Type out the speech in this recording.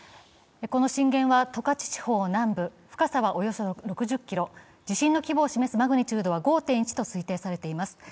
この震源は十勝地方南部、深さはおよそ６０ｋｍ、地震の規模を示すマグニチュードは５．１と推定されています。